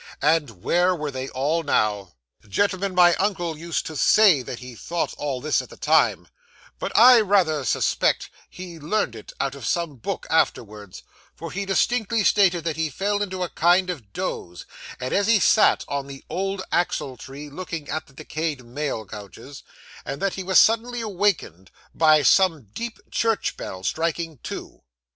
And where were they all now? 'Gentlemen, my uncle used to _say _that he thought all this at the time, but I rather suspect he learned it out of some book afterwards, for he distinctly stated that he fell into a kind of doze, as he sat on the old axle tree looking at the decayed mail coaches, and that he was suddenly awakened by some deep church bell striking two.